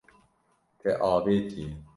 Te avêtiye.